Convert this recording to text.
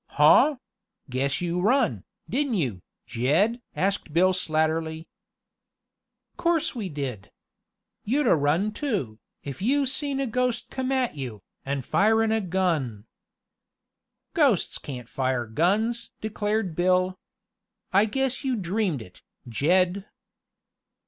"Huh! Guess you run, didn't you, Jed?" asked Bill Slatterly. "Course we did. You'd a run too, if you seen a ghost comm' at you, an' firin' a gun." "Ghosts can't fire guns!" declared Bill. "I guess you dreamed it, Jed."